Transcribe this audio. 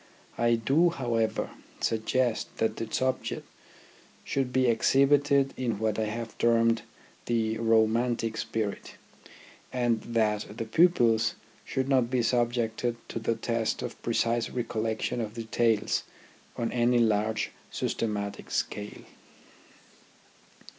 I do, however, suggest that the subject should be exhibited in what I have termed the romantic spirit, and that the pupils should not be subjected to the test of precise recollection of details on any large systematic scale.